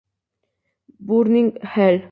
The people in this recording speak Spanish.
Burning Hell